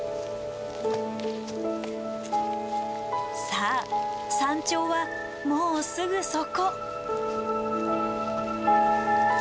さあ山頂はもうすぐそこ。